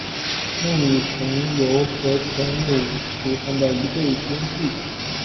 木皿泉由和泉努组成的一对编剧。